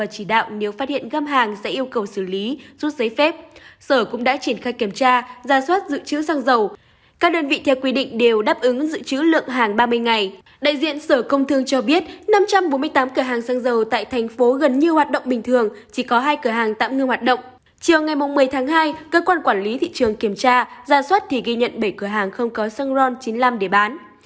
chiều ngày một mươi tháng hai cơ quan quản lý thị trường kiểm tra ra soát thì ghi nhận bảy cửa hàng không có xăng ron chín mươi năm để bán